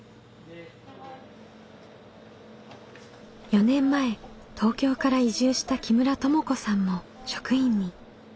４年前東京から移住した木村とも子さんも職員に。